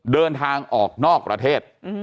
เดินทางออกนอกประเทศ